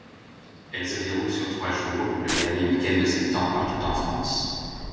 Elle se déroule sur trois jours, le dernier week-end de septembre partout en France.